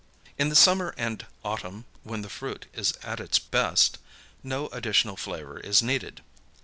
In the summer and autumn, when the fruit is at its best, no additional flavor is needed.